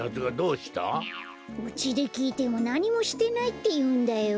うちできいてもなにもしてないっていうんだよ。